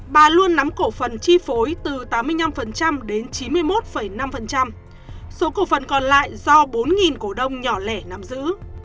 bà luôn nắm cổ phần chi phối từ tám mươi năm đến chín mươi một năm số cổ phần còn lại do bốn cổ đông nhỏ lẻ nắm giữ